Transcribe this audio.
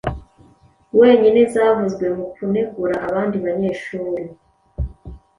wenyine zavuzwe mu kunegura abandi banyeshuri